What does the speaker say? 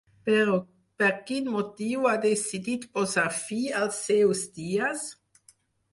Però per quin motiu ha decidit posar fi als seus dies?